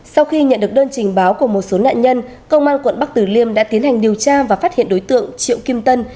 sau khi nhận được đơn trình báo của một số nạn nhân công an quận bắc tử liêm đã tiến hành điều tra và phát hiện đối tượng triệu kim tân